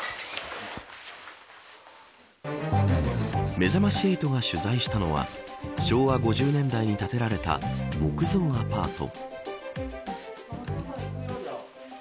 めざまし８が取材したのは昭和５０年代に建てられた木造アパート。